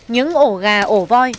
những ổ gà ổ voi